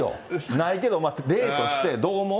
ないけど、例として、どう思う？